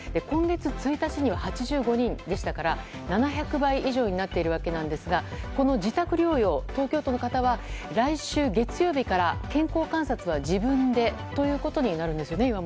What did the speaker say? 今月１日には８５人でしたから７００倍以上になっていますがこの自宅療養、東京都の方は来週月曜日から健康観察は自分でということになるんですよね。